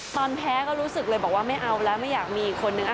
ตอนแพ้ก็รู้สึกเลยบอกว่าไม่เอาแล้วไม่อยากมีอีกคนนึง